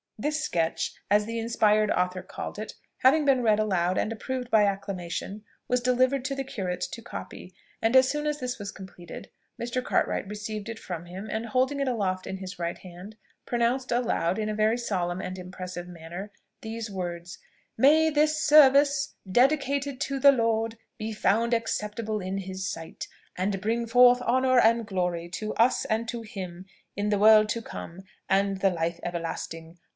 This sketch, as the inspired author called it, having been read aloud and approved by acclamation, was delivered to the curate to copy; and as soon as this was completed, Mr. Cartwright received it from him, and holding it aloft in his right hand, pronounced aloud, in a very solemn and impressive manner, these words: "May this service, dedicated to the Lord, be found acceptable in his sight, and bring forth honour and glory to us and to him in the world to come and the life everlasting.